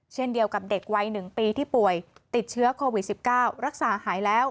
เช่นเดียวกับเด็กวัย๑ปีที่ป่วยติดเชื้อโควิด๑๙รักษาหายแล้ว